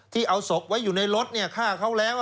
ที่เอาศพไว้อยู่ในรถเนี่ยฆ่าเขาแล้ว